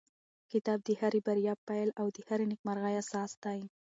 کتاب د هرې بریا پیل او د هرې نېکمرغۍ اساس دی.